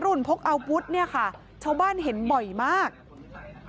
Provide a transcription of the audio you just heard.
ช่องบ้านต้องช่วยแจ้งเจ้าหน้าที่เพราะว่าโดนฟันแผลเวิกวะค่ะ